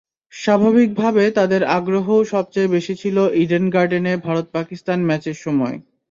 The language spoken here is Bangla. স্বাভাবিকভাবে তাদের আগ্রহও সবচেয়ে বেশি ছিল ইডেন গার্ডেনে ভারত-পাকিস্তান ম্যাচের সময়।